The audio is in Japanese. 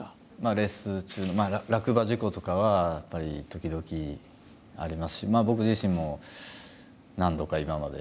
レース中落馬事故とかはやっぱり時々ありますし僕自身も何度か今まで。